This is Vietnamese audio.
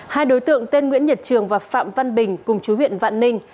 hai đối tượng tên nguyễn nhật trường và phạm văn bình cùng chú huyện vạn ninh